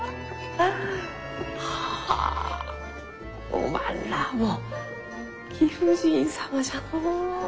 おまんらも貴婦人様じゃのう。